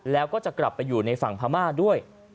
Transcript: แล้วก็จะกลับไปอยู่ในฝั่งพม่าด้วย